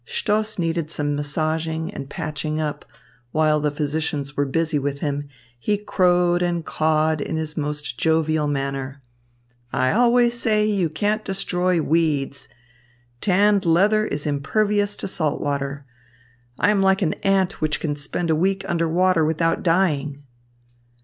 Stoss needed some massaging and patching up, and while the physicians were busy with him, he crowed and cawed in his most jovial manner: "I always say you can't destroy weeds. Tanned leather is impervious to salt water. I am like an ant which can spend a week under water without dying."